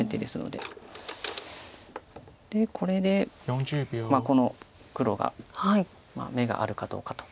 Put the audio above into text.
でこれでこの黒が眼があるかどうかと。